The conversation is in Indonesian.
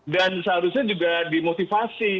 dan seharusnya juga dimotivasi